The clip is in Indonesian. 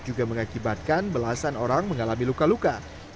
juga mengakibatkan belasan orang mengalami luka luka